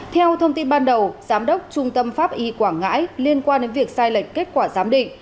theo thông tin ban đầu giám đốc trung tâm pháp y quảng ngãi liên quan đến việc sai lệch kết quả giám định